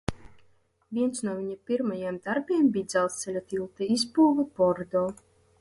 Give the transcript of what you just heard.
Viens no viņa pirmajiem darbiem bija dzelzceļa tilta izbūve Bordo.